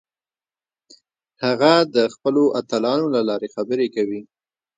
هغه د خپلو اتلانو له لارې خبرې کوي.